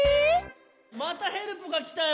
またヘルプがきたよ。